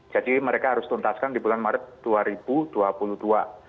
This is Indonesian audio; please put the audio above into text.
jadi mereka harus tuntaskan di bulan maret dua ribu dua puluh dua